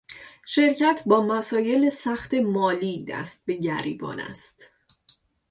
شرکت با مسایل سخت مالی دست به گریبان است.